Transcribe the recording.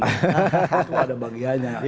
itu ada bagiannya